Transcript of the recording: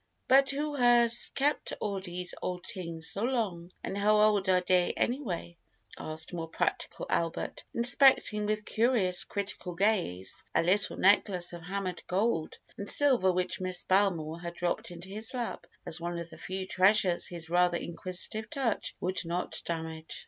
"But who has kept all dese old tings so long, and how old are dey anyway?" asked more practical Albert, inspecting with curious, critical gaze a little necklace of hammered gold and silver which Miss Belmore had dropped into his lap as one of the few treasures his rather inquisitive touch would not damage.